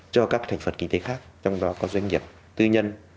cho các thành phần kinh tế khác trong đó có doanh nghiệp tư nhân